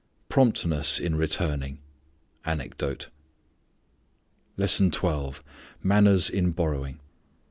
_ Promptness in returning, anecdote. LESSON XII. MANNERS IN BORROWING.